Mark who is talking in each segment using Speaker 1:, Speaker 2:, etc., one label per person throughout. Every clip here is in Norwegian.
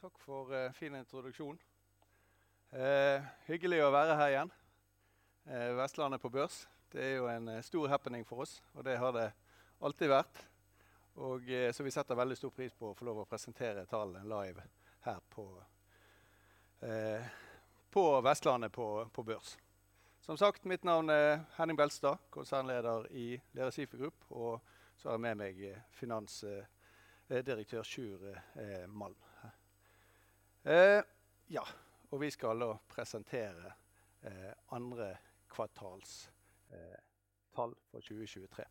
Speaker 1: Takk for fin introduksjon! Hyggelig å være her igjen. Vestlandet på børs er jo en stor happening for oss, og det har det alltid vært, og vi setter veldig stor pris på å få lov til å presentere tallene live her på Vestlandet på børs. Som sagt, mitt navn er Henning Beltestad, Konsernleder i Lerøy Seafood Group. Jeg har med meg Finansdirektør Sjur Malm. Vi skal da presentere andre kvartals tall for 2023.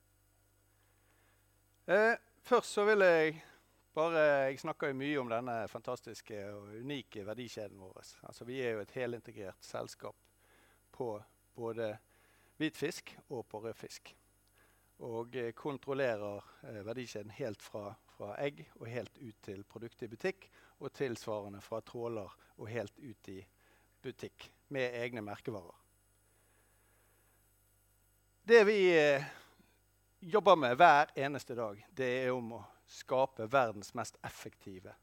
Speaker 1: Først vil jeg bare si at jeg snakker jo mye om denne fantastiske og unike verdikjeden vår. Vi er jo et helintegrert selskap på både hvitfisk og på rødfisk, og kontrollerer verdikjeden helt fra egg og helt ut til produkt i butikk, og tilsvarende fra tråler og helt ut i butikk med egne merkevarer. Det vi jobber med hver eneste dag, det er å skape verdens mest effektive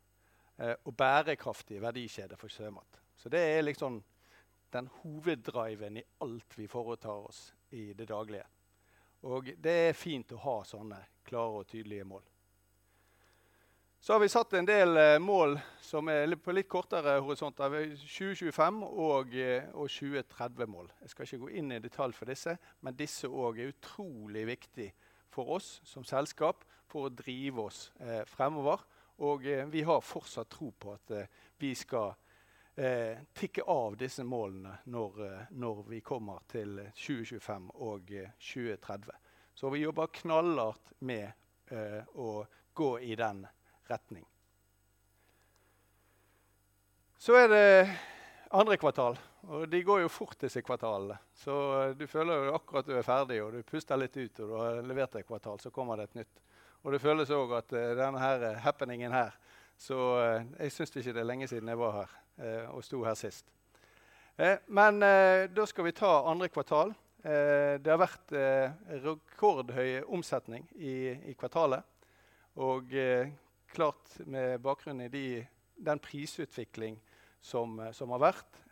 Speaker 1: og bærekraftige verdikjede for sjømat. Det er liksom den hoveddriven i alt vi foretar oss i det daglige, og det er fint å ha sånne klare og tydelige mål. Vi har satt en del mål som er på litt kortere horisont, vi har 2025- og 2030-mål. Jeg skal ikke gå inn i detalj for disse, men disse er utrolig viktig for oss som selskap for å drive oss fremover. Vi har fortsatt tro på at vi skal tikke av disse målene når vi kommer til 2025 og 2030. Vi jobber knallhardt med å gå i den retning. Det er andre kvartal, og de går jo fort, disse kvartalene. Du føler jo akkurat at du er ferdig, og du puster litt ut og du har levert et kvartal, så kommer det et nytt. Det føles også at denne happeningen her, jeg synes ikke det er lenge siden jeg var her og sto her sist. Nå skal vi ta andre kvartal. Det har vært rekordhøy omsetning i kvartalet, og klart med bakgrunn i den prisutviklingen som har vært.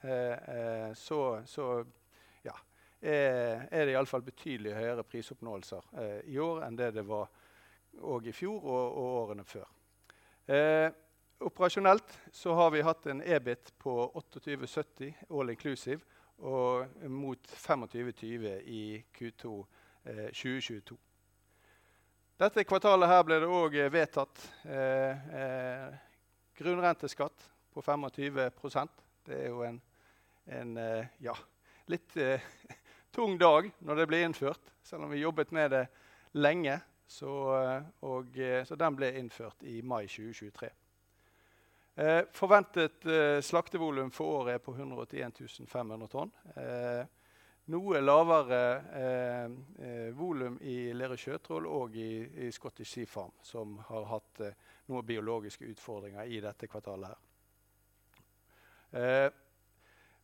Speaker 1: Det er i alle fall betydelig høyere prisoppnåelser i år enn det det var i fjor og årene før. Operasjonelt så har vi hatt en EBIT på 28,70, alt inkludert, mot 25,20 i Q2 2022. Dette kvartalet ble det vedtatt grunnrenteskatt på 25%. Det er en litt tung dag når det ble innført. Selv om vi jobbet med det lenge, ble den innført i mai 2023. Forventet slaktevolum for året er på 101.500 tonn, noe lavere volum i Lerøy Sjøtrål og i Scottish Sea Farms, som har hatt noen biologiske utfordringer i dette kvartalet.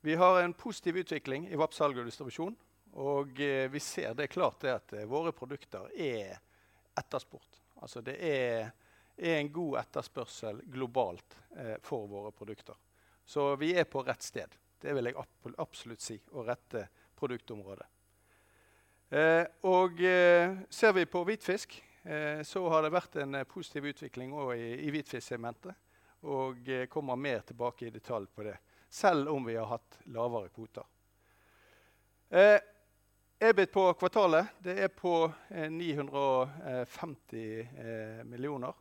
Speaker 1: Vi har en positiv utvikling i VAP-salg og distribusjon, og vi ser klart at våre produkter er etterspurt. Det er en god etterspørsel globalt for våre produkter, så vi er på rett sted og rett produktområde. Ser vi på hvitfisk, har det vært en positiv utvikling også i hvitfisksegmentet, og vi kommer mer tilbake i detalj på det, selv om vi har hatt lavere kvoter. EBIT på kvartalet. Det er på NOK 950 millioner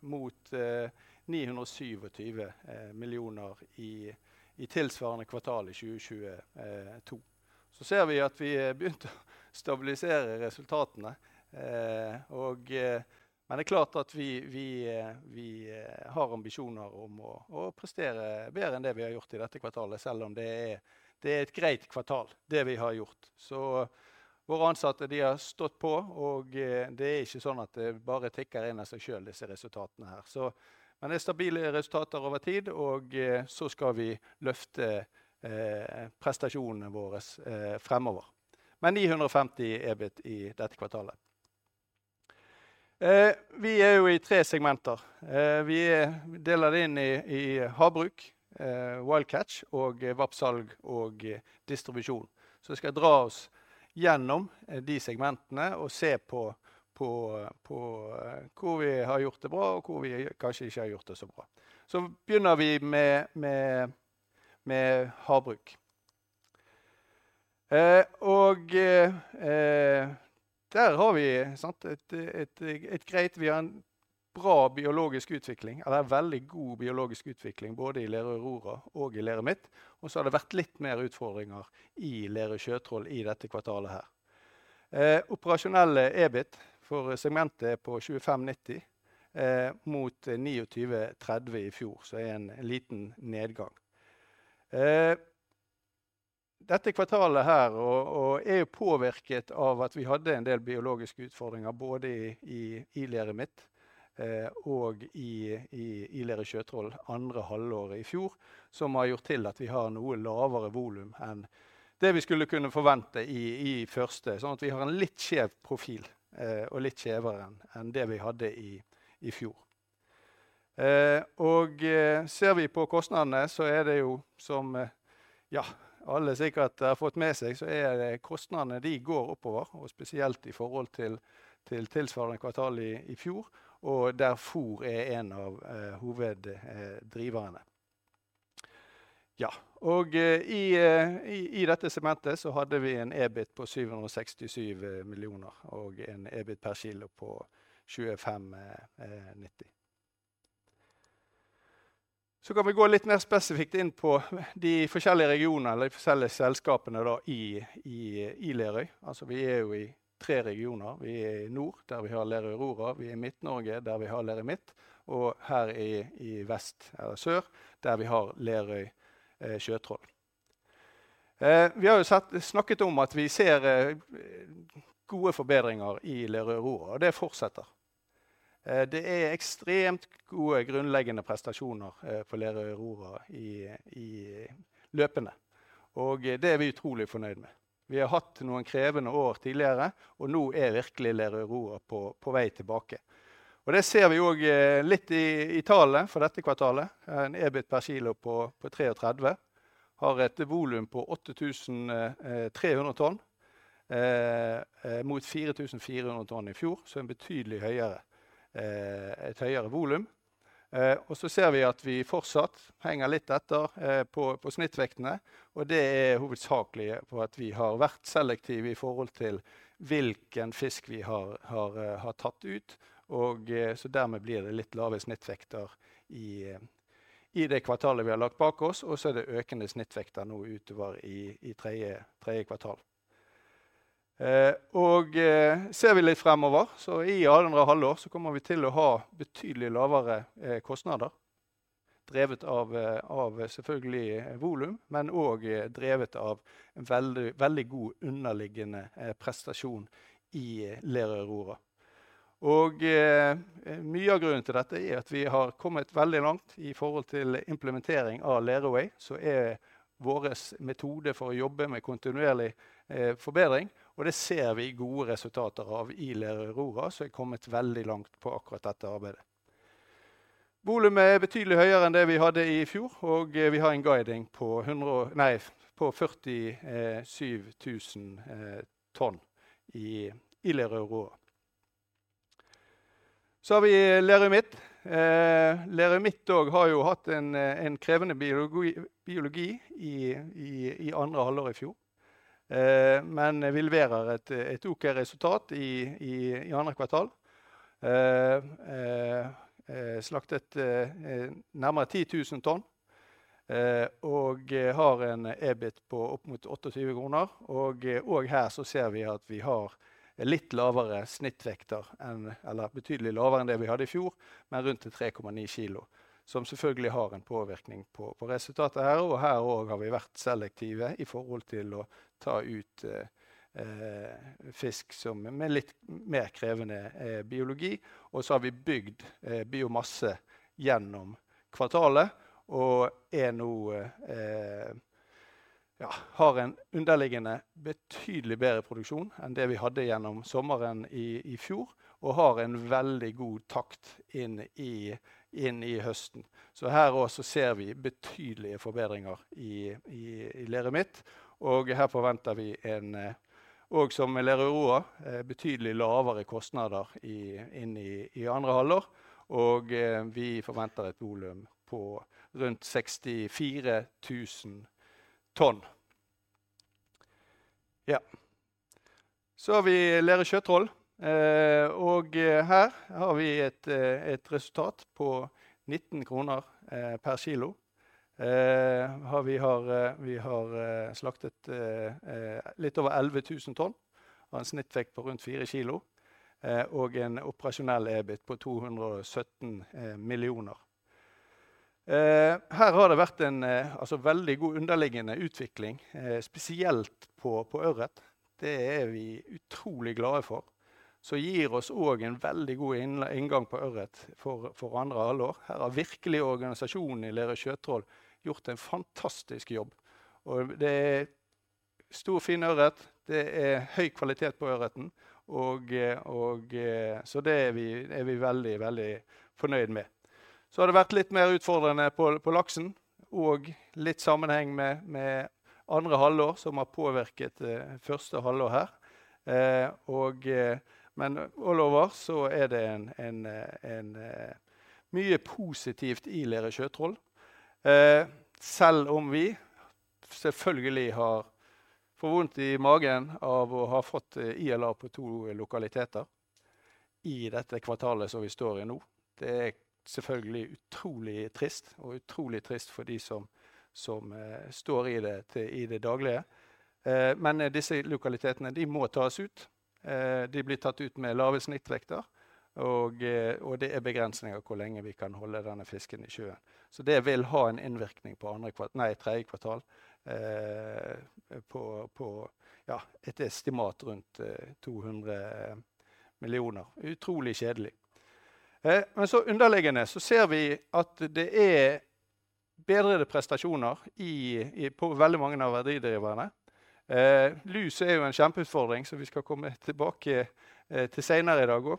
Speaker 1: mot NOK 927 millioner i tilsvarende kvartal i 2022. Vi begynte å stabilisere resultatene, men det er klart at vi har ambisjoner om å prestere bedre enn det vi har gjort i dette kvartalet, selv om det er et greit kvartal det vi har gjort. Våre ansatte har stått på, og det er ikke sånn at det bare tikker inn av seg selv, disse resultatene her. Det er stabile resultater over tid, og så skal vi løfte prestasjonene våre fremover. NOK 950 millioner EBIT i dette kvartalet. Vi er i tre segmenter. Vi deler det inn i havbruk, Wild Catch og VAPS salg og distribusjon. Jeg skal dra oss gjennom de segmentene og se på hvor vi har gjort det bra og hvor vi kanskje ikke har gjort det så bra. Vi begynner med havbruk, og der har vi en bra biologisk utvikling, og det er veldig god biologisk utvikling både i Lerøy Aurora og i Lerøy Midt. Det har vært litt mer utfordringer i Lerøy Sjøtrål i dette kvartalet. Operasjonell EBIT for segmentet er på NOK 2.590 mot NOK 2.930 i fjor, så er en liten nedgang. Dette kvartalet er påvirket av at vi hadde en del biologiske utfordringer både i Lerøy Midt og i Lerøy Sjøtroll andre halvåret i fjor, som har gjort at vi har noe lavere volum enn det vi skulle kunne forvente i første kvartal. Sånn at vi har en litt skjev profil og litt skjevere enn det vi hadde i fjor. Ser vi på kostnadene, så er det jo som alle sikkert har fått med seg, kostnadene går oppover og spesielt i forhold til tilsvarende kvartal i fjor, og der fôr er en av hoveddriverne. I dette segmentet hadde vi en EBIT på NOK 767 millioner og en EBIT per kilo på NOK 25,90. Vi kan gå litt mer spesifikt inn på de forskjellige regionene eller de forskjellige selskapene i Lerøy. Vi er i tre regioner. Vi er i nord, der vi har Lerøy Aurora, vi er i Midt-Norge, der vi har Lerøy Midt, og her i vest eller sør, der vi har Lerøy Sjøtroll. Vi har snakket om at vi ser gode forbedringer i Lerøy Aurora, og det fortsetter. Det er ekstremt gode grunnleggende prestasjoner for Lerøy Aurora i løpende, og det er vi utrolig fornøyd med. Vi har hatt noen krevende år tidligere, og nå er virkelig Lerøy Aurora på vei tilbake. Det ser vi også litt i tallene for dette kvartalet. En EBIT per kilo på NOK 33. Har et volum på 8.300 tonn mot 4.400 tonn i fjor, som er betydelig høyere. Et høyere volum. Og så ser vi at vi fortsatt henger litt etter på snittvektene. Det er hovedsakelig på at vi har vært selektive i forhold til hvilken fisk vi har tatt ut, og dermed blir det litt lavere snittvekter i det kvartalet vi har lagt bak oss. Og så er det økende snittvekter nå utover i tredje kvartal. Og ser vi litt fremover, så i andre halvår kommer vi til å ha betydelig lavere kostnader. Drevet av selvfølgelig volum, men og drevet av veldig god underliggende prestasjon i Lerøy Aurora. Mye av grunnen til dette er at vi har kommet veldig langt i forhold til implementering av Lerøy Way, som er vår metode for å jobbe med kontinuerlig forbedring. Det ser vi gode resultater av i Lerøy Aurora, som er kommet veldig langt på akkurat dette arbeidet. Volumet er betydelig høyere enn det vi hadde i fjor, og vi har en guiding på 47.000 tonn i Lerøy Aurora. Så har vi Lerøy Midt. Lerøy Midt har jo hatt en krevende biologi i andre halvår i fjor. Men vi leverer et okay resultat i andre kvartal. Slaktet nærmere 10.000 tonn, og har en EBIT på opp mot NOK 28. Her ser vi at vi har betydelig lavere snittvekter enn det vi hadde i fjor, med rundt 3,9 kilo, som selvfølgelig har en påvirkning på resultatet her. Her også har vi vært selektive i forhold til å ta ut fisk med litt mer krevende biologi. Vi har bygd biomasse gjennom kvartalet og har nå en underliggende betydelig bedre produksjon enn det vi hadde gjennom sommeren i fjor, og har en veldig god takt inn i høsten. Her også ser vi betydelige forbedringer i Lerøy Midt. Her forventer vi, som med Lerøy Aurora, betydelig lavere kostnader inn i andre halvår, og vi forventer et volum på rundt 64.000 tonn. Lerøy Sjøtroll har et resultat på NOK 19 per kilo. Vi har slaktet litt over 11.000 tonn med en snittvekt på rundt 4 kilo og en operasjonell EBIT på NOK 217 millioner. Her har det vært en veldig god underliggende utvikling, spesielt på ørret. Det er vi utrolig glade for, og det gir oss en veldig god inngang på ørret for andre halvår. Her har virkelig organisasjonen i Lerøy Sjøtroll gjort en fantastisk jobb, og det er stor, fin ørret. Det er høy kvalitet på ørreten, og det er vi veldig, veldig fornøyd med. Det har vært litt mer utfordrende på laksen, litt i sammenheng med andre halvår som har påvirket første halvår her. Over alt så er det mye positivt i Lerøy Sjøtroll, selv om vi selvfølgelig får vondt i magen av å ha fått IHN på to lokaliteter i dette kvartalet som vi står i nå. Det er selvfølgelig utrolig trist, og utrolig trist for de som står i det daglige. Men disse lokalitetene må tas ut. De blir tatt ut med lave snittvekter, og det er begrensninger på hvor lenge vi kan holde denne fisken i sjøen, så det vil ha en innvirkning på tredje kvartal, på et estimat rundt NOK 200 millioner. Utrolig kjedelig! Men underliggende ser vi at det er bedrede prestasjoner på veldig mange av verdidriverne. Lus er jo en kjempeutfordring som vi skal komme tilbake til senere i dag.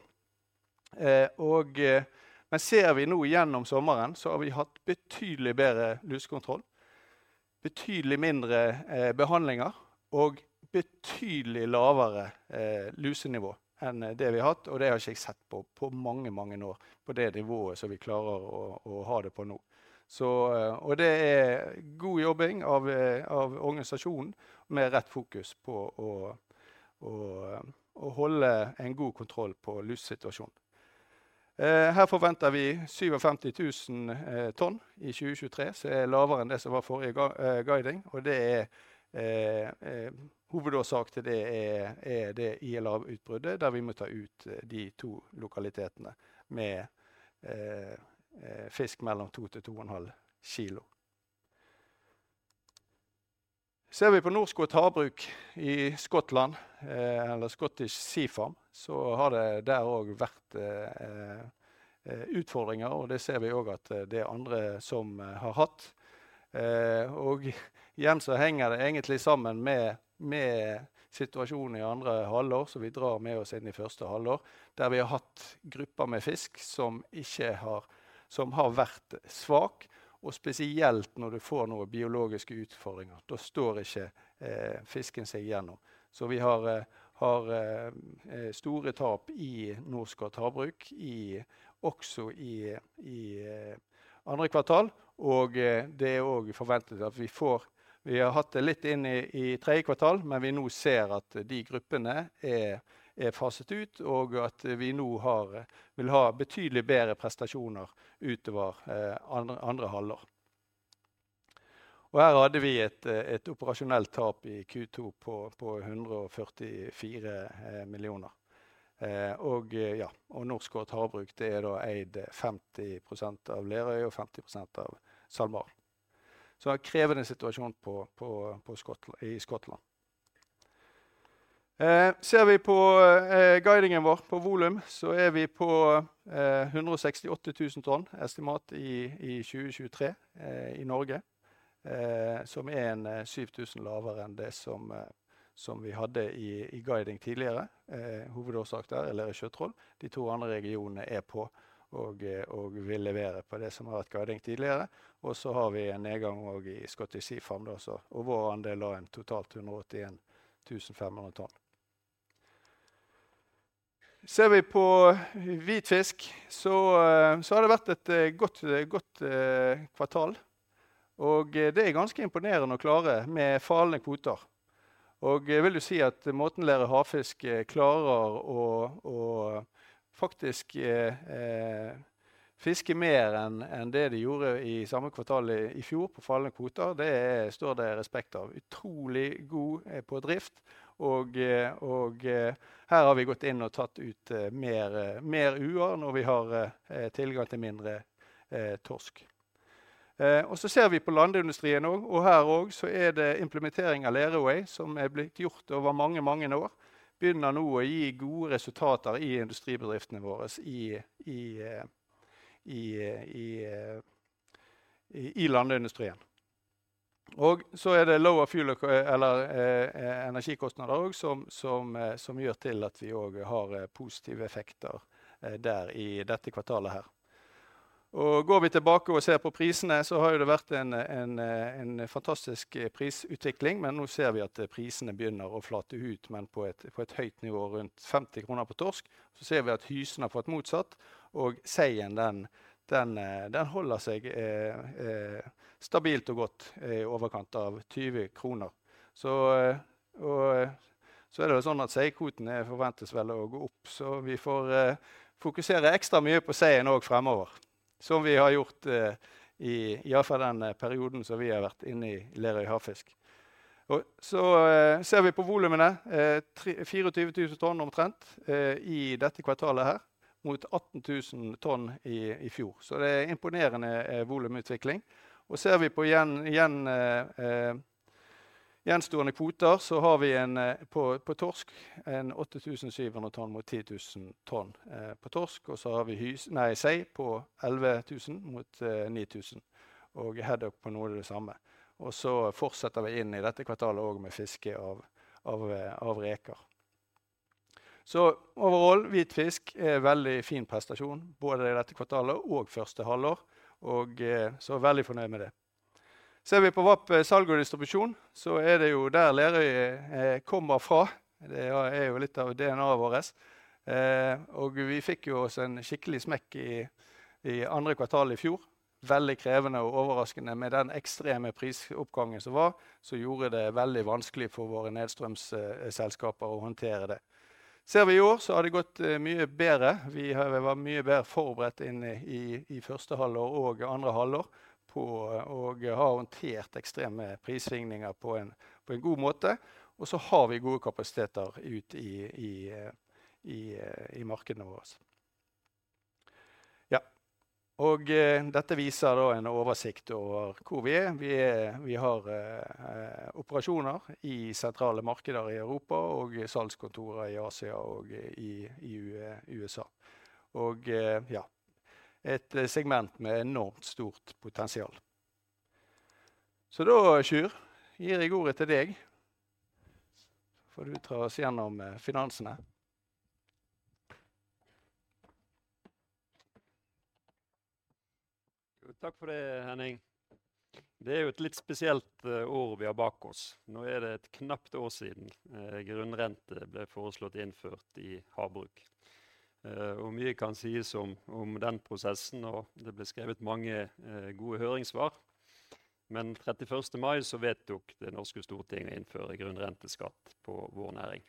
Speaker 1: Ser vi nå gjennom sommeren, så har vi hatt betydelig bedre lusekontroll, betydelig mindre behandlinger og betydelig lavere lusenivå enn det vi har hatt. Og det har ikke jeg sett på mange, mange år, på det nivået som vi klarer å ha det på nå. Det er god jobbing av organisasjonen med rett fokus på å holde en god kontroll på lusesituasjonen. Her forventer vi 57.000 tonn i 2023, som er lavere enn det som var forrige guiding. Hovedårsaken til det er ILA-utbruddet, der vi må ta ut de to lokalitetene med fisk mellom to til to og en halv kilo. Ser vi på Norskott Havbruk i Skottland, eller Scottish Sea Farms, så har det der og vært utfordringer. Det ser vi også at det er andre som har hatt. Igjen så henger det egentlig sammen med situasjonen i andre halvår. Vi drar med oss inn i første halvår, der vi har hatt grupper med fisk som har vært svak. Spesielt når du får noen biologiske utfordringer, står ikke fisken seg gjennom. Vi har store tap i Norskott Havbruk, også i andre kvartal. Det er forventet at vi får det. Vi har hatt det litt inn i tredje kvartal, men vi ser nå at de gruppene er faset ut og at vi vil ha betydelig bedre prestasjoner utover andre halvår. Her hadde vi et operasjonelt tap i Q2 på NOK 144 millioner. Norskott Havbruk er eid 50% av Lerøy og 50% av Salmar. Det er en krevende situasjon i Skottland. Ser vi på guidingen vår på volum, så er vi på 168.000 tonn estimat i 2023 i Norge, som er 7.000 lavere enn det vi hadde i guiding tidligere. Hovedårsak der er lus på Sjøtroll. De to andre regionene er på, og vil levere på det som har vært guiding tidligere. Vi har en nedgang i Scottish Sea Farms, og vår andel av totalt 181.500 tonn. Ser vi på hvitfisk, så har det vært et godt kvartal, og det er ganske imponerende å klare med fallende kvoter. Måten Lerøy Havfisk klarer å faktisk fiske mer enn det de gjorde i samme kvartalet i fjor på fallende kvoter, det står det respekt av. Utrolig god på drift, og her har vi gått inn og tatt ut mer når vi har tilgang til mindre torsk. Ser vi på landindustrien også, er det implementering av Lerøy som er blitt gjort over mange år, som nå begynner å gi gode resultater i industribedriftene våres, i landindustrien. Det er også lavere fuel- eller energikostnader som gjør til at vi har positive effekter der i dette kvartalet. Går vi tilbake og ser på prisene, så har det vært en fantastisk prisutvikling, men nå ser vi at prisene begynner å flate ut. På et høyt nivå, rundt NOK 50 på torsk. Hysen har fått motsatt. Seien holder seg stabilt og godt i overkant av NOK 20. Seikvotene forventes å gå opp, så vi får fokusere ekstra mye på seien fremover, som vi har gjort i den perioden vi har vært inne i Lerøy Havfisk. Ser vi på volumene, 24.000 tonn omtrent i dette kvartalet, mot 18.000 tonn i fjor. Det er imponerende volumutvikling. Ser vi på gjenstående kvoter, har vi på torsk 8.700 tonn mot 10.000 tonn. Sei på 11.000 mot 9.000, og hyse på omtrent det samme. Så fortsetter vi inn i dette kvartalet og med fiske av reker. Over all hvitfisk er veldig fin prestasjon både i dette kvartalet og første halvår, så veldig fornøyd med det. Ser vi på VAP, salg og distribusjon så er det jo der Lerøy kommer fra. Det er jo litt av DNAet våres, og vi fikk jo oss en skikkelig smekk i andre kvartal i fjor. Veldig krevende og overraskende med den ekstreme prisoppgangen som var, som gjorde det veldig vanskelig for våre nedstrøms selskaper å håndtere det. Ser vi i år så har det gått mye bedre. Vi har vært mye bedre forberedt inn i første halvår og andre halvår på å ha håndtert ekstreme prissvingninger på en god måte. Så har vi gode kapasiteter ut i markedene våres. Dette viser en oversikt over hvor vi er. Vi har operasjoner i sentrale markeder i Europa og salgskontorer i Asia og i EU og USA. Det er et segment med enormt stort potensial. Sjur, jeg gir ordet til deg, så får du ta oss gjennom finansene.
Speaker 2: Takk for det, Henning! Det er jo et litt spesielt år vi har bak oss. Nå er det et knapt år siden grunnrente ble foreslått innført i havbruk. Mye kan sies om den prosessen, og det ble skrevet mange gode høringssvar. Men den trettiførste mai vedtok det norske Stortinget å innføre grunnrenteskatt på vår næring.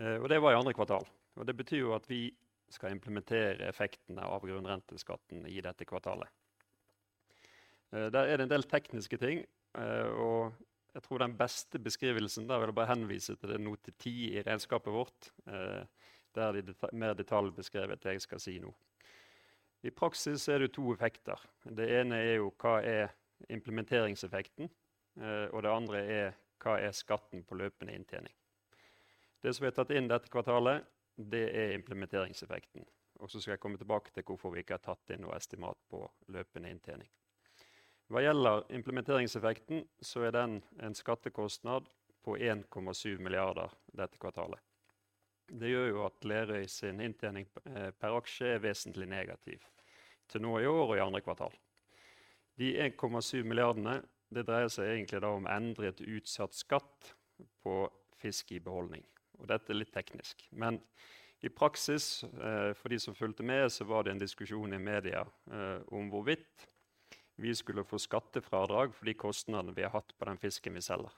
Speaker 2: Det var i andre kvartal, og det betyr jo at vi skal implementere effektene av grunnrenteskatten i dette kvartalet. Der er det en del tekniske ting, og jeg tror den beste beskrivelsen der vil jeg bare henvise til note ti i regnskapet vårt. Der er de mer i detalj beskrevet det jeg skal si nå. I praksis er det to effekter. Det ene er jo hva er implementeringseffekten, og det andre er hva er skatten på løpende inntjening? Det som er tatt inn dette kvartalet, det er implementeringseffekten. Jeg skal komme tilbake til hvorfor vi ikke har tatt inn noe estimat på løpende inntjening. Hva gjelder implementeringseffekten, så er den en skattekostnad på NOK 1,7 milliarder dette kvartalet. Det gjør at Lerøy sin inntjening per aksje er vesentlig negativ til nå i år og i andre kvartal. De NOK 1,7 milliardene dreier seg egentlig om endret utsatt skatt på fisk i beholdning. Dette er litt teknisk, men i praksis, for de som fulgte med, så var det en diskusjon i media om hvorvidt vi skulle få skattefradrag for de kostnadene vi har hatt på den fisken vi selger.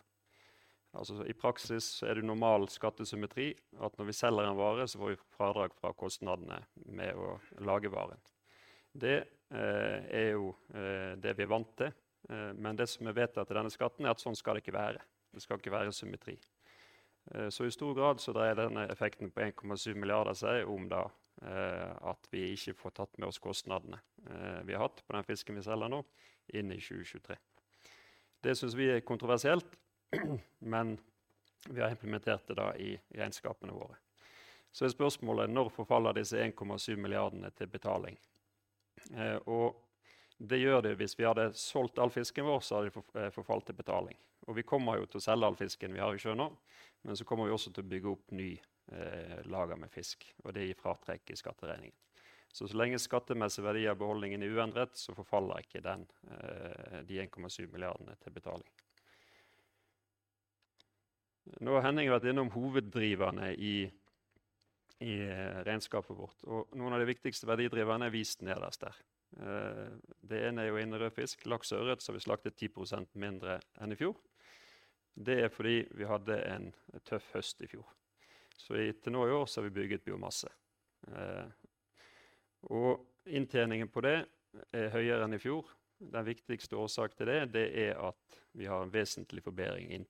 Speaker 2: I praksis er det normal skattesymmetri at når vi selger en vare, så får vi fradrag fra kostnadene med å lage varen. Det er det vi er vant til. Det som er vedtatt i denne skatten, er at sånn skal det ikke være. Det skal ikke være symmetri. I stor grad dreier denne effekten på NOK 1,7 milliarder seg om at vi ikke får tatt med oss kostnadene vi har hatt på den fisken vi selger nå inn i 2023. Det synes vi er kontroversielt, men vi har implementert det i regnskapene våre. Spørsmålet er når forfaller disse NOK 1,7 milliardene til betaling? Det gjør det hvis vi hadde solgt all fisken vår, så hadde de forfalt til betaling. Vi kommer jo til å selge all fisken vi har i sjøen nå, men vi kommer også til å bygge opp ny lager med fisk, og det er i fratrekk i skatteregningen. Så lenge skattemessig verdi av beholdningen er uendret, forfaller ikke de 1,7 milliardene til betaling. Nå har Henning vært innom hoveddriverne i regnskapet vårt, og noen av de viktigste verdidriverne er vist nederst der. Det ene er jo innrøkt fisk, laks, ørret, så vi slaktet 10% mindre enn i fjor. Det er fordi vi hadde en tøff høst i fjor. Til nå i år har vi bygget biomasse, og inntjeningen på det er høyere enn i fjor. Den viktigste årsak til det er at vi har en vesentlig forbedring i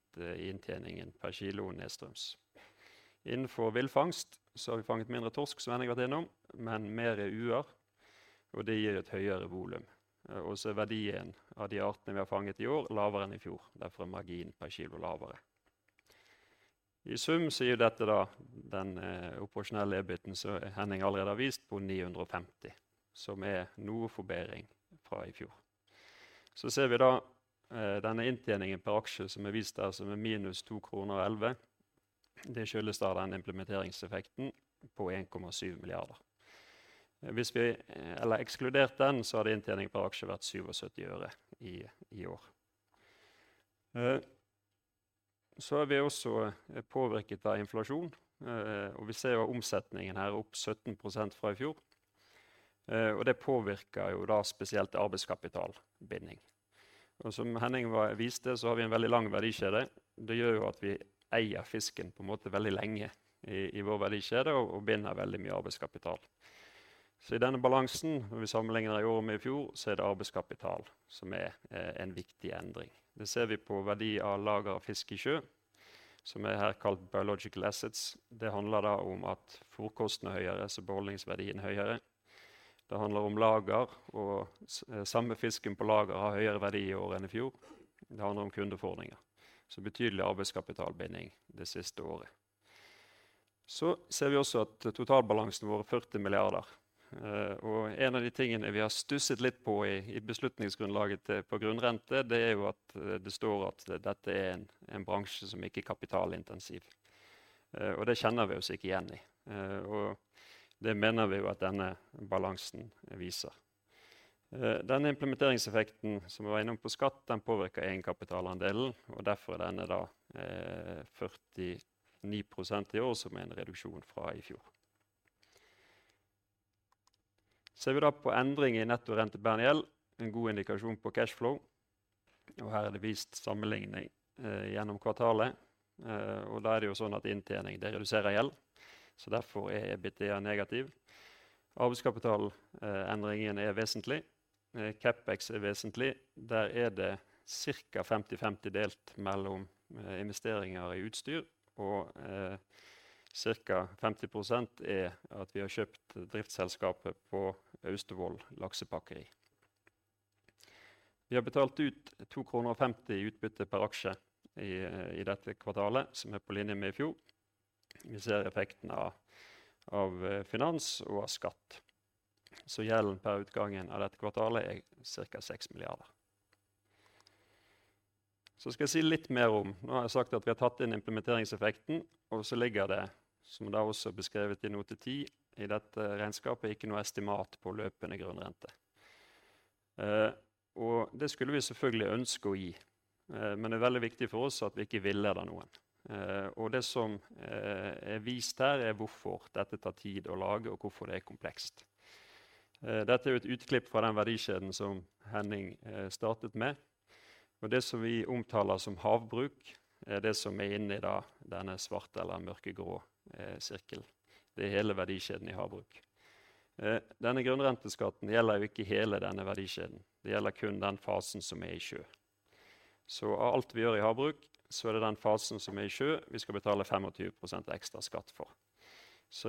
Speaker 2: inntjeningen per kilo nedstrøms. Innenfor villfangst har vi fanget mindre torsk, som Henning har vært innom, men mer uer, og det gir et høyere volum. Verdien av de artene vi har fanget i år er lavere enn i fjor. Derfor er marginen per kilo lavere. I sum gir dette den operasjonelle EBIT, som Henning allerede har vist, på NOK 950, som er en forbedring fra i fjor. Så ser vi inntjeningen per aksje som er vist der, som er minus NOK 2,11. Det skyldes implementeringseffekten på NOK 1,7 milliarder. Hvis vi ekskluderer den, så hadde inntjening per aksje vært NOK 0,77 i år. Vi er også påvirket av inflasjon, og vi ser omsetningen her opp 17% fra i fjor. Det påvirker spesielt arbeidskapitalbinding. Som Henning viste, har vi en veldig lang verdikjede. Det gjør at vi eier fisken på en måte veldig lenge i vår verdikjede og binder veldig mye arbeidskapital. I denne balansen, når vi sammenligner i år med i fjor, er det arbeidskapital som er en viktig endring. Det ser vi på verdi av lager av fisk i sjø, som er her kalt Biological assets. Det handler om at fôrkostnadene er høyere, så beholdningsverdien er høyere. Det handler om lager, og samme fisken på lager har høyere verdi i år enn i fjor. Det handler om kundefordringer, så det er betydelig arbeidskapitalbinding det siste året. Vi ser også at totalbalansen vår er NOK 40 milliarder. En av de tingene vi har stusset litt på i beslutningsgrunnlaget på grunnrente, er jo at det står at dette er en bransje som ikke er kapitalintensiv. Det kjenner vi oss ikke igjen i, og det mener vi at denne balansen viser. Denne implementeringseffekten som vi var innom på skatt, den påvirker egenkapitalandelen, og derfor er denne da 49% i år, som er en reduksjon fra i fjor. Ser vi da på endring i netto rentebærende gjeld. En god indikasjon på cash flow. Og her er det vist sammenligning gjennom kvartalet. Og da er det jo sånn at inntjening det reduserer gjeld, så derfor er EBITDA negativ. Arbeidskapitalendringen er vesentlig. Capex er vesentlig. Der er det cirka 50/50 delt mellom investeringer i utstyr, og cirka 50% er at vi har kjøpt driftsselskapet på Austevoll Laksepakkeri. Vi har betalt ut NOK 2,50 i utbytte per aksje i dette kvartalet, som er på linje med i fjor. Vi ser effekten av finans og av skatt. Så gjelden per utgangen av dette kvartalet er cirka NOK 6 milliarder. Jeg skal si litt mer om dette. Jeg har sagt at vi har tatt inn implementeringseffekten, og som det også er beskrevet i note ti i dette regnskapet, ligger det ikke noe estimat på løpende grunnrente. Det skulle vi selvfølgelig ønske å gi, men det er veldig viktig for oss at vi ikke villeder noen. Det som er vist her er hvorfor dette tar tid å lage og hvorfor det er komplekst. Dette er et utklipp fra den verdikjeden som Henning startet med, og det som vi omtaler som havbruk er det som er inne i denne svarte eller mørkegrå sirkelen. Det er hele verdikjeden i havbruk. Denne grunnrenteskatten gjelder ikke hele denne verdikjeden. Den gjelder kun den fasen som er i sjø. Av alt vi gjør i havbruk, er det den fasen som er i sjø vi skal betale 25% ekstra skatt for.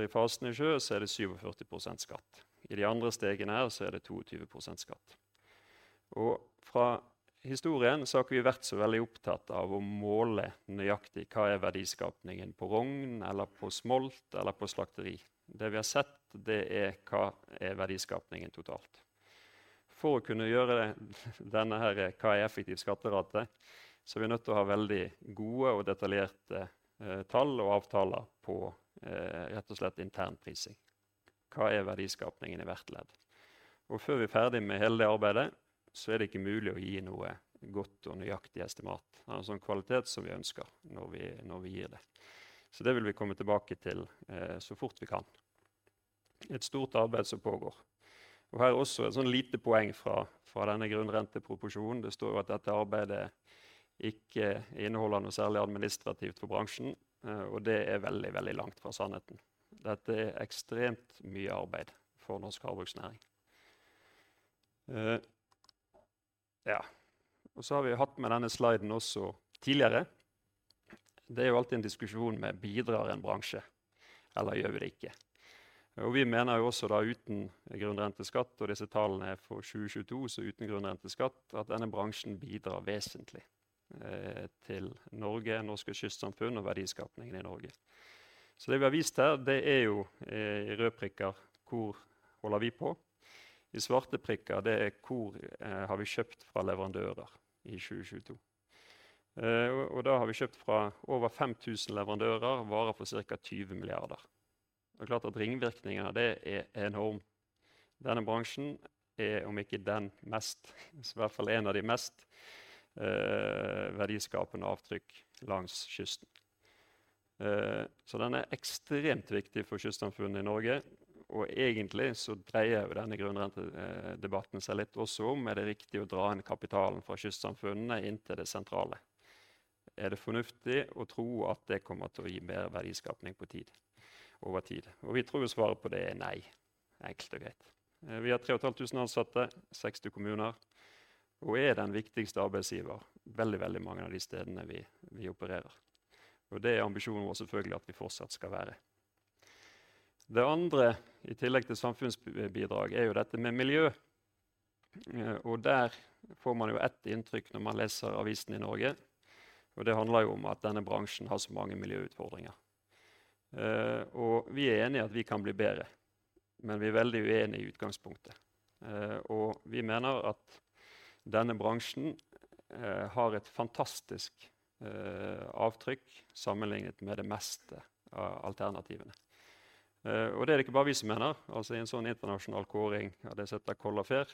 Speaker 2: I fasen i sjø er det 47% skatt. I de andre stegene er det 22% skatt. Fra historien har vi ikke vært så veldig opptatt av å måle nøyaktig hva er verdiskapningen på rogn eller på smolt eller på slakteri. Det vi har sett, er hva er verdiskapningen totalt. For å kunne gjøre denne her, hva er effektiv skatterate, er vi nødt til å ha veldig gode og detaljerte tall og avtaler på, rett og slett, internprising. Hva er verdiskapningen i hvert ledd? Før vi er ferdig med hele det arbeidet, er det ikke mulig å gi noe godt og nøyaktig estimat, altså en kvalitet som vi ønsker når vi gir det. Det vil vi komme tilbake til så fort vi kan. Et stort arbeid som pågår. Her er også et lite poeng fra denne grunnrenteproposjonen. Det står at dette arbeidet ikke inneholder noe særlig administrativt for bransjen, og det er veldig, veldig langt fra sannheten. Dette er ekstremt mye arbeid for norsk havbruksnæring. Og så har vi hatt med denne sliden også tidligere. Det er jo alltid en diskusjon om en bransje bidrar, eller gjør vi det ikke? Vi mener jo også da, uten grunnrenteskatt, og disse tallene er for 2022, at denne bransjen bidrar vesentlig til Norge, norske kystsamfunn og verdiskapingen i Norge. Det vi har vist her, det er jo i røde prikker. Hvor holder vi på? De svarte prikkene, det er hvor har vi kjøpt fra leverandører i 2022. Vi har kjøpt fra over 5 000 leverandører varer for cirka NOK 20 milliarder. Det er klart at ringvirkningene er enorme. Denne bransjen er om ikke den mest, så i hvert fall en av de mest verdiskapende avtrykk langs kysten. Den er ekstremt viktig for kystsamfunnene i Norge. Egentlig dreier jo denne grunnrentedebatten seg litt også om: er det riktig å dra inn kapitalen fra kystsamfunnene inn til det sentrale? Er det fornuftig å tro at det kommer til å gi mer verdiskapning over tid? Vi tror svaret på det er nei, enkelt og greit. Vi har tre og et halvt tusen ansatte, seksti kommuner og er den viktigste arbeidsgiveren på veldig mange av de stedene vi opererer. Og det er ambisjonen vår selvfølgelig at vi fortsatt skal være det. Det andre, i tillegg til samfunnsbidrag, er jo dette med miljø, og der får man jo ett inntrykk når man leser avisene i Norge. Det handler jo om at denne bransjen har så mange miljøutfordringer, og vi er enige i at vi kan bli bedre. Men vi er veldig uenig i utgangspunktet, og vi mener at denne bransjen har et fantastisk avtrykk sammenlignet med det meste av alternativene. Og det er det ikke bare vi som mener. I en sånn internasjonal kåring av det som heter Colafair,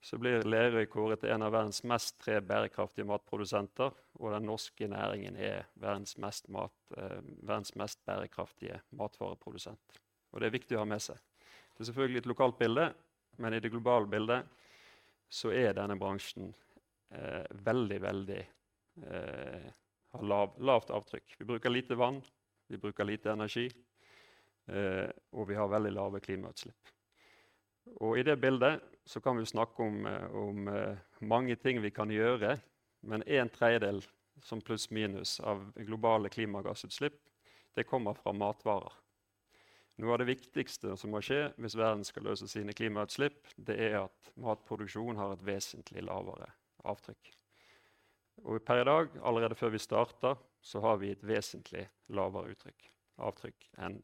Speaker 2: så blir Lerøy kåret til en av verdens tre mest bærekraftige matprodusenter. Den norske næringen er verdens mest bærekraftige matvareprodusent, og det er viktig å ha med seg. Det er selvfølgelig et lokalt bilde, men i det globale bildet er denne bransjen veldig lavt avtrykk. Vi bruker lite vann, vi bruker lite energi, og vi har veldig lave klimautslipp. I det bildet kan vi snakke om mange ting vi kan gjøre. En tredjedel, pluss minus, av globale klimagassutslipp kommer fra matvarer. Noe av det viktigste som må skje hvis verden skal løse sine klimautslipp, er at matproduksjon har et vesentlig lavere avtrykk. Per i dag, allerede før vi startet, har vi et vesentlig lavere avtrykk enn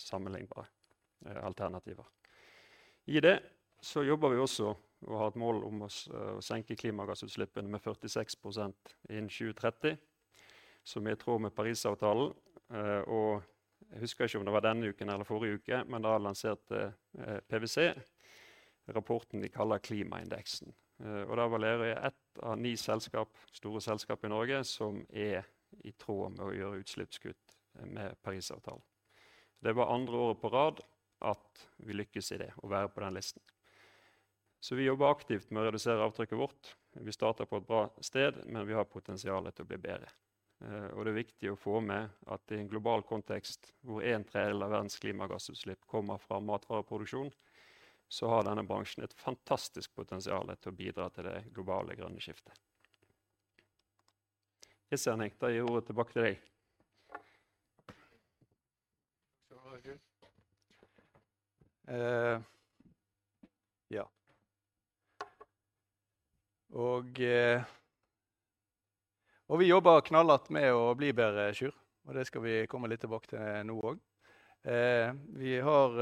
Speaker 2: sammenlignbare alternativer. I det så jobber vi også og har et mål om å senke klimagassutslippene med 46% innen 2030, som er i tråd med Parisavtalen. Jeg husker ikke om det var denne uken eller forrige uke, men da lanserte PVC rapporten de kaller klimaindeksen, og da var jeg ett av ni selskaper, store selskaper i Norge som er i tråd med å gjøre utslippskutt med Parisavtalen. Så det var andre året på rad at vi lykkes i det å være på den listen. Så vi jobber aktivt med å redusere avtrykket vårt. Vi starter på et bra sted, men vi har potensiale til å bli bedre. Det er viktig å få med at i en global kontekst hvor en tredjedel av verdens klimagassutslipp kommer fra matvareproduksjon, så har denne bransjen et fantastisk potensiale til å bidra til det globale grønne skiftet. Christer Nick, da gir jeg ordet tilbake til deg.
Speaker 1: Og vi jobber knallhardt med å bli bedre i sjøen, og det skal vi komme litt tilbake til nå. Vi har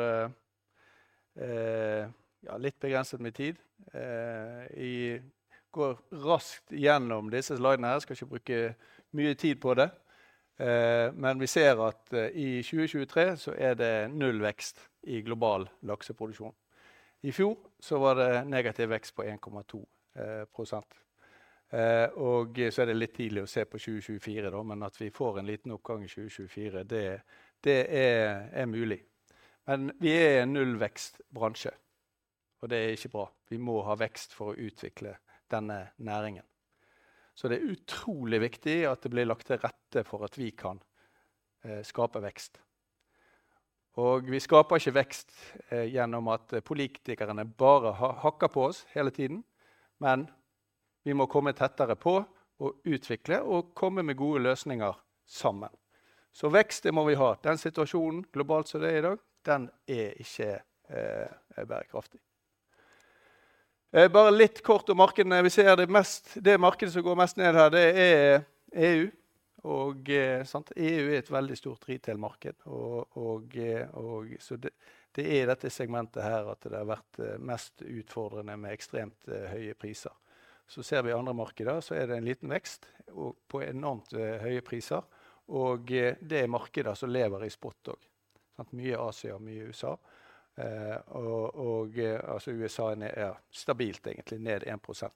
Speaker 1: litt begrenset med tid, og vi går raskt gjennom disse slidene her. Jeg skal ikke bruke mye tid på det, men vi ser at i 2023 så er det nullvekst i global lakseproduksjon. I fjor så var det negativ vekst på 1,2%. Og så er det litt tidlig å se på 2024, men at vi får en liten oppgang i 2024, det er mulig. Men vi er en nullvekst bransje, og det er ikke bra. Vi må ha vekst for å utvikle denne næringen. Så det er utrolig viktig at det blir lagt til rette for at vi kan skape vekst. Og vi skaper ikke vekst gjennom at politikerne bare hakker på oss hele tiden. Vi må komme tettere på og utvikle og komme med gode løsninger sammen. Vekst det må vi ha. Den situasjonen globalt som det er i dag, den er ikke bærekraftig. Bare litt kort om markedene vi ser det mest. Det markedet som går mest ned her, det er EU. EU er et veldig stort retailmarked, og det er i dette segmentet her at det har vært mest utfordrende med ekstremt høye priser. I andre markeder ser vi en liten vekst på enormt høye priser. Det er markeder som lever i spot, mye Asia og mye USA. USA er stabilt, egentlig ned 1%.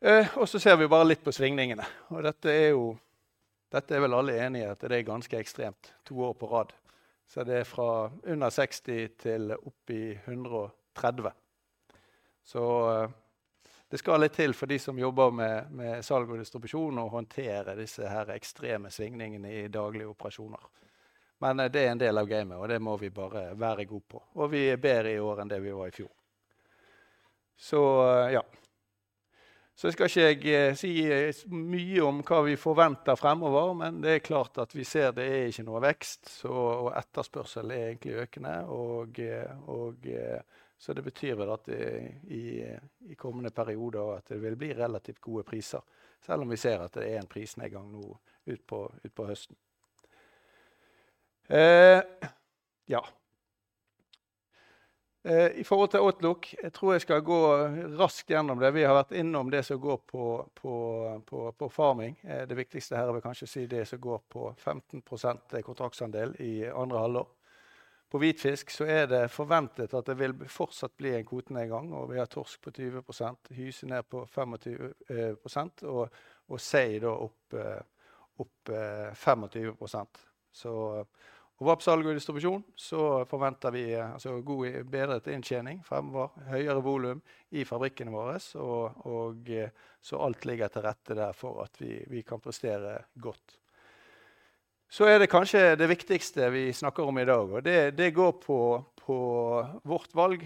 Speaker 1: Vi ser litt på svingningene, og dette er vel alle enige i at det er ganske ekstremt to år på rad. Det er fra under 60 til opp i 130. Det skal litt til for de som jobber med salg og distribusjon å håndtere disse ekstreme svingningene i daglige operasjoner. Det er en del av gamet, og det må vi bare være god på. Vi er bedre i år enn det vi var i fjor. Så skal ikke jeg si mye om hva vi forventer fremover. Det er klart at vi ser at det ikke er noe vekst, og etterspørsel er egentlig økende, så det betyr vel at i kommende periode vil det bli relativt gode priser, selv om vi ser at det er en prisnedgang nå utpå høsten. I forhold til outlook, tror jeg jeg skal gå raskt gjennom det. Vi har vært innom det som går på farming. Det viktigste her vil kanskje være det som går på 15% kontraktsandel i andre halvår. På hvitfisk er det forventet at det vil fortsatt bli en kvotenedgang, og vi har torsk ned 20%, hyse ned 25%, og sei opp 25%. På vaps salg og distribusjon forventer vi god bedret inntjening fremover. Høyere volum i fabrikkene våres, og alt ligger til rette der for at vi kan prestere godt. Det kanskje viktigste vi snakker om i dag går på vårt valg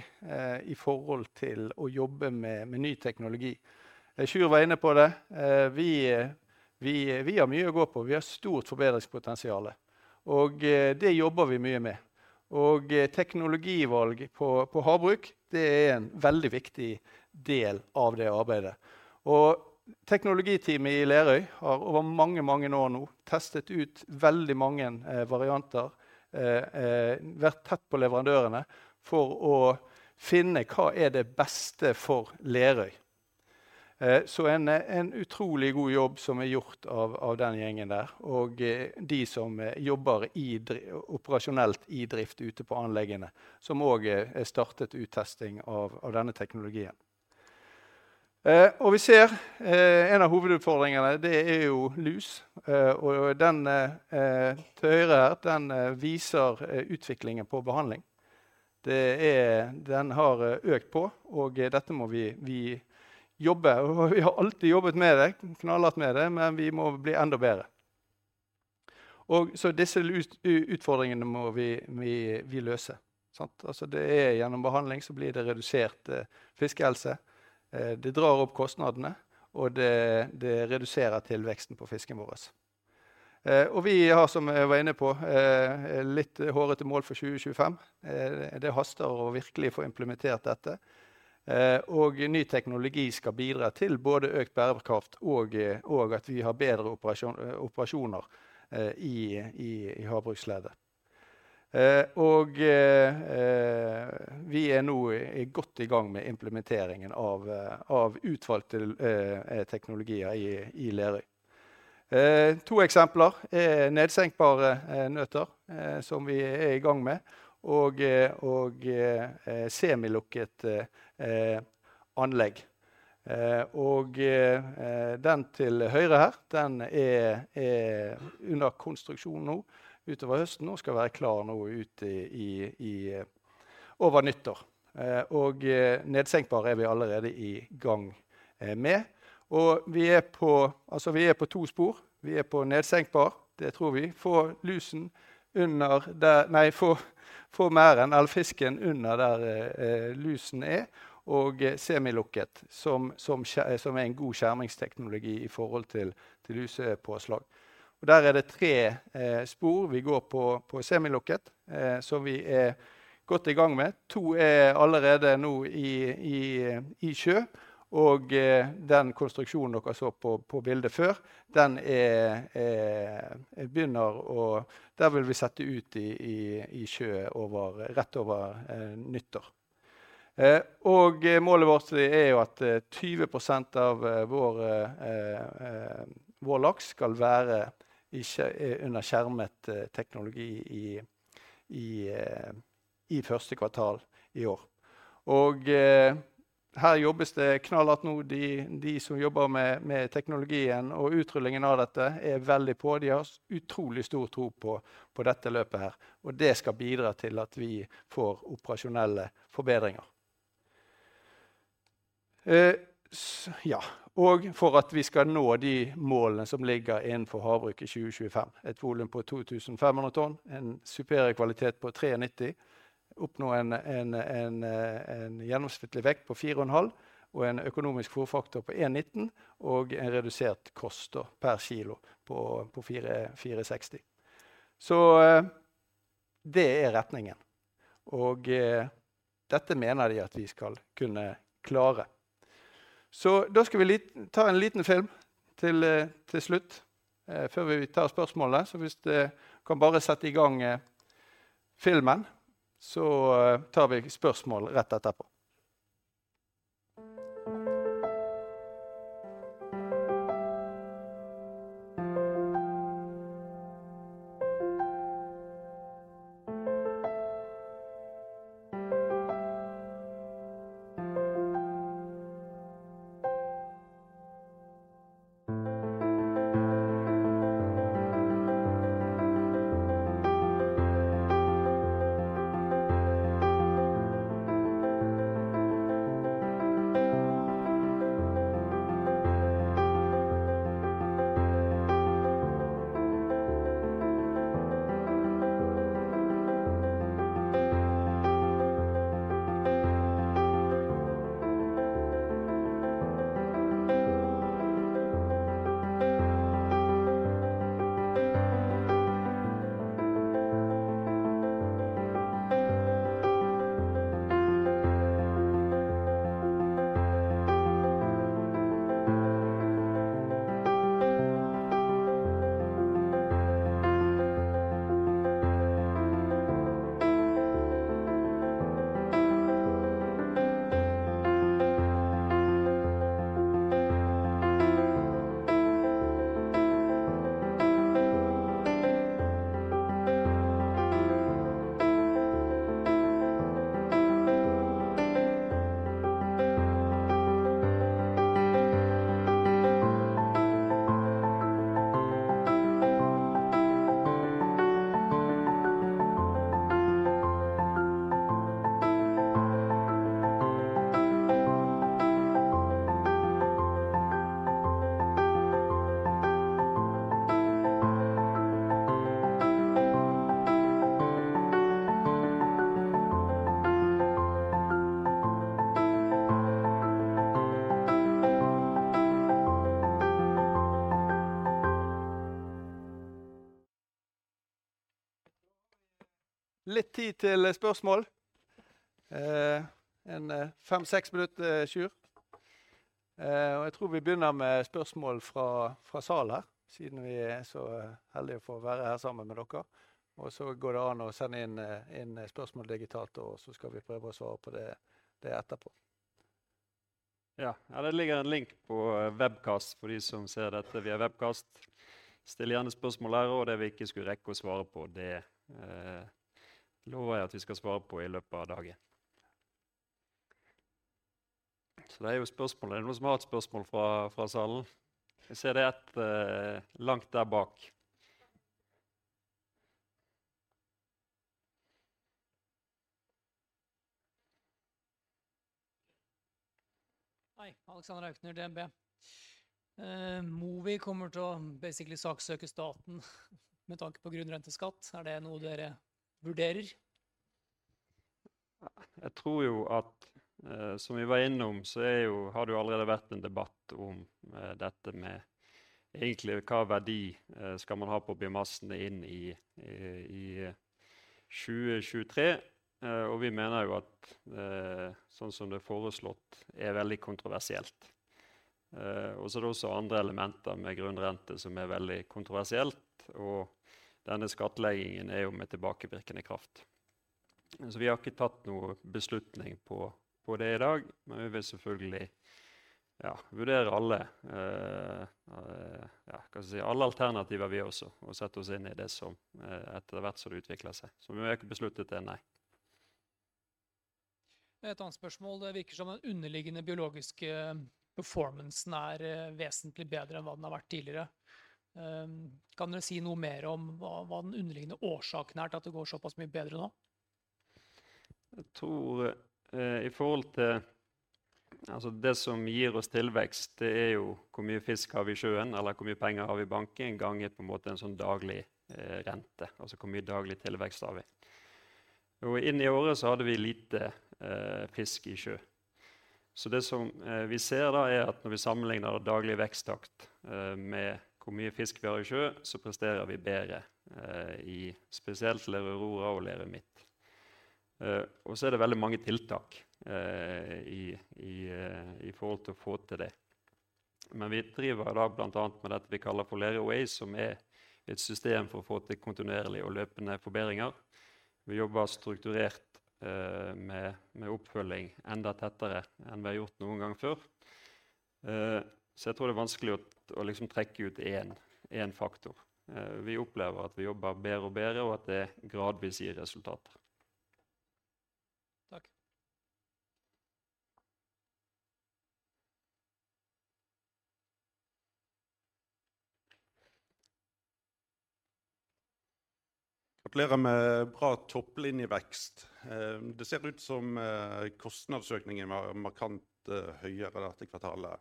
Speaker 1: i forhold til å jobbe med ny teknologi. Sjur var inne på det. Vi har mye å gå på. Vi har stort forbedringspotensiale, og det jobber vi mye med. Teknologivalg på havbruk er en veldig viktig del av det arbeidet. Teknologiteamet i Lerøy har over mange år nå testet ut veldig mange varianter, vært tett på leverandørene for å finne hva er det beste for Lerøy. En utrolig god jobb som er gjort av den gjengen der og de som jobber i drift ute på anleggene, som også er startet uttesting av denne teknologien. Vi ser en av hovedutfordringene, det er lus, og den til høyre her viser utviklingen på behandling. Den har økt på, og dette må vi jobbe med, og vi har alltid jobbet knallhardt med det. Vi må bli enda bedre. Disse utfordringene må vi løse, altså, det er gjennom behandling at det blir redusert fiskehelse. Det drar opp kostnadene og det reduserer tilveksten på fisken vår. Vi har, som jeg var inne på, litt hårete mål for 2025. Det haster å virkelig få implementert dette. Ny teknologi skal bidra til både økt bærekraft og bedre operasjoner i havbruksleddet. Vi er nå godt i gang med implementeringen av utvalgte teknologier i Lerøy. To eksempler er nedsenkbare nøter som vi er i gang med, og semilukket anlegg. Den til høyre her er under konstruksjon nå utover høsten og skal være klar over nyttår, og nedsenkbar er vi allerede i gang med. Vi er på to spor. Vi er på nedsenkbar. Det tror vi. Få lusen under, få mæren, all fisken under der lusen er, og semilukket som er en god skjermingsteknologi i forhold til lusepåslag. Der er det tre spor vi går på semilukket som vi er godt i gang med. To er allerede nå i sjø, og den konstruksjonen dere så på bildet før, begynner å-- der vil vi sette ut i sjø rett over nyttår. Målet vårt er at 20% av vår laks skal være under skjermet teknologi i første kvartal i år. Her jobbes det knallhardt nå. De som jobber med teknologien og utrullingen av dette er veldig på. De har utrolig stor tro på dette løpet her, og det skal bidra til at vi får operasjonelle forbedringer. For at vi skal nå de målene som ligger innenfor havbruk i 2025: et volum på 2 500 tonn, en super kvalitet på 93%, oppnå en gjennomsnittlig vekt på 4,5 og en økonomisk fôrfaktor på 1,19 og en redusert kost per kilo på 4,60. Det er retningen, og dette mener de at vi skal kunne klare. Vi skal ta en liten film til, til slutt, før vi tar spørsmålene. Hvis det kan bare settes i gang filmen, tar vi spørsmål rett etterpå. Litt tid til spørsmål, en fem-seks minutter, Sjur. Jeg tror vi begynner med spørsmål fra salen her, siden vi er så heldige å få være her sammen med dere. Det går an å sende inn spørsmål digitalt, og vi skal prøve å svare på det etterpå.
Speaker 2: Ja, det ligger en link på webcast for de som ser dette via webcast. Still gjerne spørsmål der, og det vi ikke skulle rekke å svare på, det lover jeg at vi skal svare på i løpet av dagen. Er det noe smart spørsmål fra salen? Jeg ser det ett langt der bak.
Speaker 3: Hei! Alexander Aukner, DNB. Mowi kommer til å basically saksøke staten med tanke på grunnrenteskatt. Er det noe dere vurderer?
Speaker 2: Jeg tror at som vi var innom, har det allerede vært en debatt om dette egentlig. Hva verdi skal man ha på biomassen inn i 2023? Vi mener at sånn som det er foreslått, er veldig kontroversielt. Det er også andre elementer med grunnrente som er veldig kontroversielt. Denne skattleggingen er med tilbakevirkende kraft, så vi har ikke tatt noen beslutning på det i dag. Vi vil selvfølgelig vurdere alle alternativer vi også, og sette oss inn i det som etter hvert utvikler seg. Vi har ikke besluttet det, nei.
Speaker 3: Et annet spørsmål. Det virker som den underliggende biologiske performancen er vesentlig bedre enn hva den har vært tidligere. Kan dere si noe mer om hva den underliggende årsaken er til at det går såpass mye bedre nå?
Speaker 2: Jeg tror i forhold til, altså det som gir oss tilvekst, det er jo hvor mye fisk har vi i sjøen, eller hvor mye penger har vi i banken, ganget på en måte en sånn daglig rente. Altså, hvor mye daglig tilvekst har vi? Jo inn i året så hadde vi lite fisk i sjø. Det som vi ser da er at når vi sammenligner daglig veksttakt med hvor mye fisk vi har i sjø, så presterer vi bedre i spesielt Lerøy Aurora og Lerøy Midt. Det er veldig mange tiltak i forhold til å få til det. Vi driver blant annet med dette vi kaller for Lerøy Way, som er et system for å få til kontinuerlige og løpende forbedringer. Vi jobber strukturert med oppfølging enda tettere enn vi har gjort noen gang før. Jeg tror det er vanskelig å trekke ut én faktor. Vi opplever at vi jobber bedre og bedre, og at det gradvis gir resultater.
Speaker 3: Takk!
Speaker 4: Gratulerer med bra topplinjevekst. Det ser ut som kostnadsøkningen var markant høyere dette kvartalet.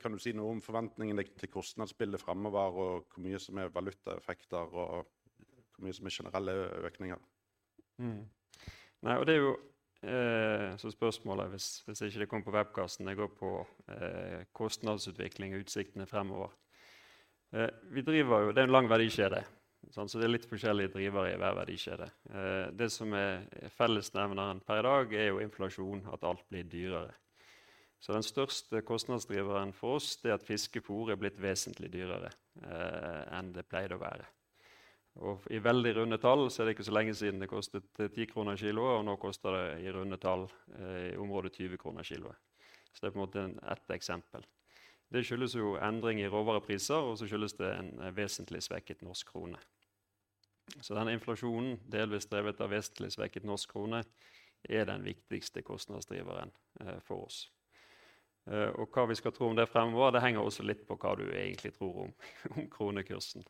Speaker 4: Kan du si noe om forventningene til kostnadsbildet fremover og hvor mye som er valutaeffekter og hvor mye som er generelle økninger?
Speaker 2: Nei, og det er jo så spørsmålet, hvis ikke det kom på webcasten. Det går på kostnadsutvikling og utsiktene fremover. Vi driver jo en lang verdikjede, så det er litt forskjellige drivere i hver verdikjede. Det som er fellesnevneren per i dag er jo inflasjon, at alt blir dyrere. Den største kostnadsdriveren for oss er at fiskefôr er blitt vesentlig dyrere enn det pleide å være. I veldig runde tall, så er det ikke så lenge siden det kostet NOK 10 kiloen, og nå koster det i runde tall i området NOK 20 kiloen. Det er på en måte ett eksempel. Det skyldes jo endring i råvarepriser, og så skyldes det en vesentlig svekket norsk krone. Denne inflasjonen, delvis drevet av vesentlig svekket norsk krone, er den viktigste kostnadsdriveren for oss. Og hva vi skal tro om det fremover? Det henger også litt på hva du egentlig tror om kronekursen.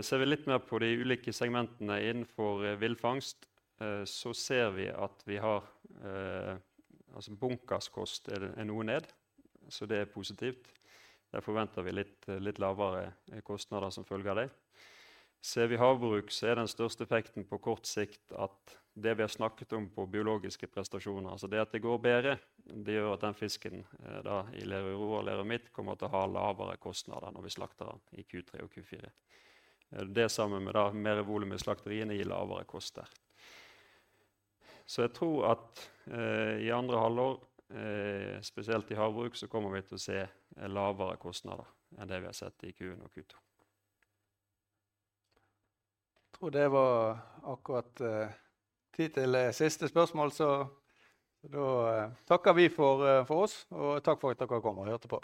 Speaker 2: Ser vi litt mer på de ulike segmentene innenfor villfangst, så ser vi at bunkerkost er noe ned, så det er positivt. Der forventer vi litt lavere kostnader som følge av det. Ser vi havbruk, så er den største effekten på kort sikt det vi har snakket om på biologiske prestasjoner, altså det at det går bedre. Det gjør at den fisken i Lerøy Aurora og Lerøy Midt kommer til å ha lavere kostnader når vi slakter den i Q3 og Q4. Det sammen med mer volum i slakteriene gir lavere kostnader. Jeg tror at i andre halvår, spesielt i havbruk, så kommer vi til å se lavere kostnader enn det vi har sett i Q1 og Q2.
Speaker 4: Tror det var akkurat tid til siste spørsmål, så da takker vi for oss. Og takk for at dere kom og hørte på.